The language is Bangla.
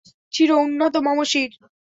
চির উন্নত মম শির।